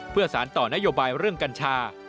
เพื่อสารต่อนโยบายเรื่องกัญชา